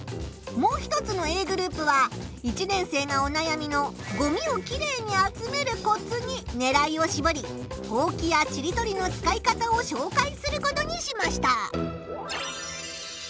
もう一つのＡグループは１年生がおなやみの「ごみをキレイに集めるコツ」にねらいをしぼりほうきやちりとりの使い方をしょうかいすることにしました。